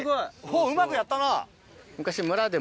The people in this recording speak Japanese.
うまくやったな。